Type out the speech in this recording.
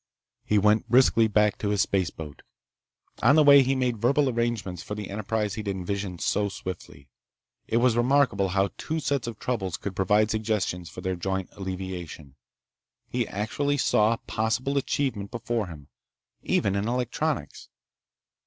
He went briskly back to his spaceboat. On the way he made verbal arrangements for the enterprise he'd envisioned so swiftly. It was remarkable how two sets of troubles could provide suggestions for their joint alleviation. He actually saw possible achievement before him. Even in electronics!